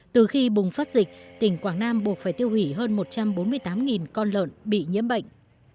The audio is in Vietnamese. từ khi bùng phát dịch tỉnh quảng nam buộc phải tiêu hủy hơn một trăm bốn mươi tám con lợn bị nhiễm bệnh